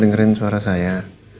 udah dengerin suara saya